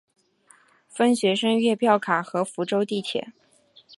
分学生月票卡和福州地铁。